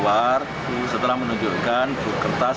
mereka boleh keluar setelah menunjukkan buku kertas